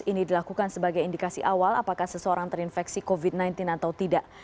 ini dilakukan sebagai indikasi awal apakah seseorang terinfeksi covid sembilan belas atau tidak